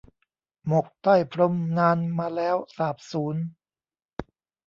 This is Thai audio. หมกใต้พรมนานมาแล้วสาบสูญ